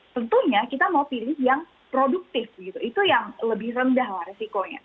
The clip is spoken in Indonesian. tentunya kita mau pilih yang produktif gitu itu yang lebih rendah resikonya